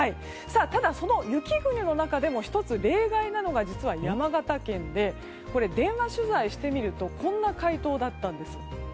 ただ、その雪国の中でも１つ例外なのが実は、山形県で電話取材してみるとこんな回答だったんです。